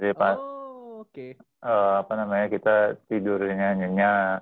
jadi pas apa namanya kita tidurnya nyanya